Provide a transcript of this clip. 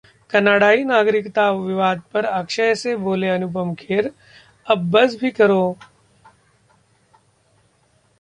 कनाडाई नागरिकता विवाद पर अक्षय से बोले अनुपम खेर, 'अब बस भी करो'